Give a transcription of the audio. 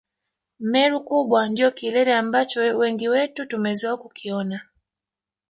Meru kubwa ndio kilele ambacho wengi wetu tumezoea kukiona